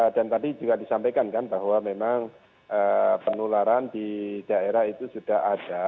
dan tadi juga disampaikan kan bahwa memang penularan di daerah itu sudah ada